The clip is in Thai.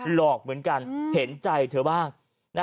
หลอกเหมือนกันเห็นใจเธอบ้าง